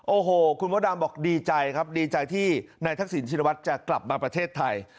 โอ้โหคุณมดดำบอกดีใจครับดีใจที่นายทักษิณชินวัฒน์จะกลับมาประเทศไทย